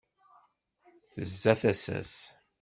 Tezza tasa-s.